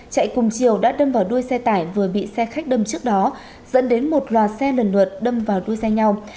chạy cùng chiều đã đâm vào đuôi xe tải vừa bị xe khách đâm trước đó dẫn đến một loạt xe lần lượt đâm vào đuôi xe nhau